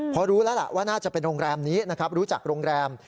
เพราะรู้แล้วล่ะว่าน่าจะเป็นโรงแรมนี้นะครับรู้จักโรงแรม